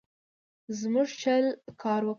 زموږ چل کار ورکړ.